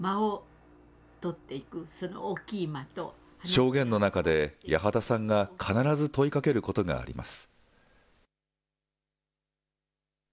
証言の中で、八幡さんが必ず問いかけることがあります。